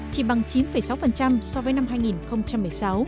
chỉ bằng chín sáu so với năm hai nghìn một mươi sáu